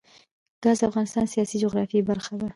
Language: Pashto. ګاز د افغانستان د سیاسي جغرافیه برخه ده.